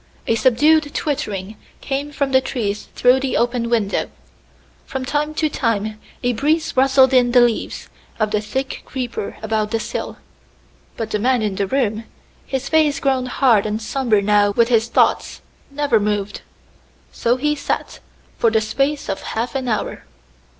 A subdued twittering came from the trees through the open window. From time to time a breeze rustled in the leaves of the thick creeper about the sill. But the man in the room, his face grown hard and somber now with his thoughts, never moved. So he sat for the space of half an hour.